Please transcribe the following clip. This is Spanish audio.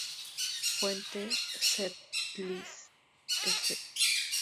Fuente: Setlist.fm